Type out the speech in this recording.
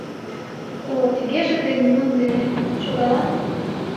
— О, тыгеже тый нунын дене шогалат?